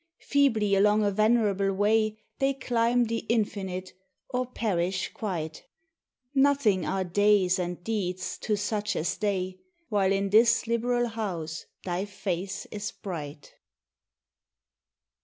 Feebly along a venerable way They climb the infinite, or perish quite; Nothing are days and deeds to such as they, While in this liberal house thy face is bright.